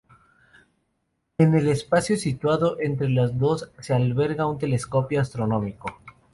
En el espacio situado entre las dos se alberga un telescopio astronómico.